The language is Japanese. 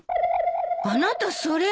あなたそれ。